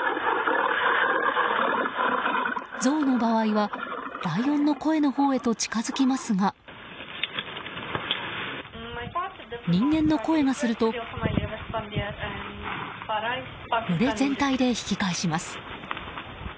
ゾウの場合は、ライオンの声のほうへと近づきますが人間の声がすると群れ全体で引き返します。